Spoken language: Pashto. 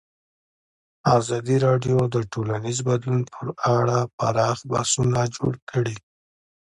ازادي راډیو د ټولنیز بدلون په اړه پراخ بحثونه جوړ کړي.